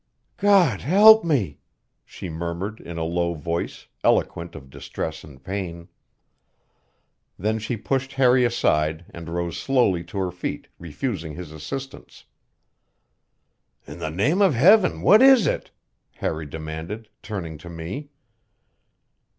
"God help me!" she murmured in a low voice, eloquent of distress and pain. Then she pushed Harry aside and rose slowly to her feet, refusing his assistance. "In the name of Heaven, what is it?" Harry demanded, turning to me.